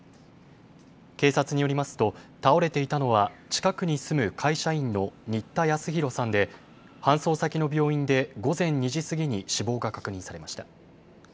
警察によりますと倒れていたのは近くに住む会社員の新田恭弘さんで搬送先の病院で午前２時過ぎに死亡が確認されました。